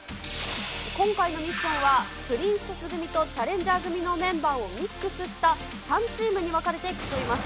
今回のミッションは、プリンセス組とチャレンジャー組のメンバーをミックスした３チームに分かれて競います。